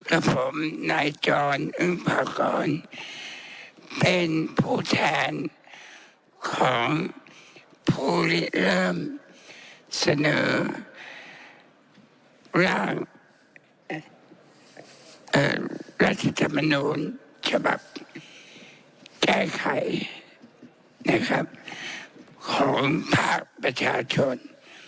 กับผมนายจรอึ้งพากรเป็นผู้แทนของผู้ริเริ่มเสนอร่างรัฐธรรมนูลฉบับแก้ไขนะครับของภาคประชาชน